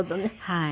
はい。